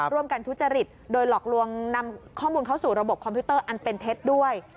ทุจริตโดยหลอกลวงนำข้อมูลเข้าสู่ระบบคอมพิวเตอร์อันเป็นเท็จด้วย